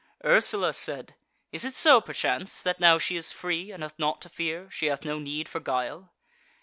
Ursula said: "Is it so, perchance, that now she is free and hath naught to fear, she hath no need for guile?"